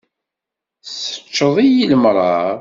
Tseččeḍ-iyi lemṛaṛ.